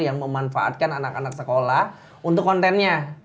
yang memanfaatkan anak anak sekolah untuk kontennya